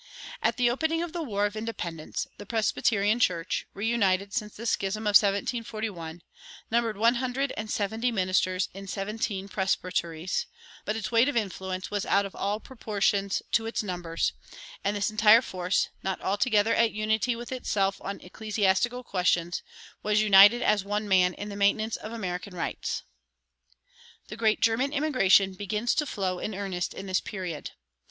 At the opening of the War of Independence the Presbyterian Church, reunited since the schism of 1741, numbered one hundred and seventy ministers in seventeen presbyteries; but its weight of influence was out of all proportion to its numbers, and this entire force, not altogether at unity with itself on ecclesiastical questions, was united as one man in the maintenance of American rights. The great German immigration begins to flow in earnest in this period.